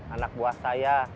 anak buah saya